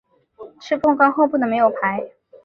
吃碰杠后不能没有牌。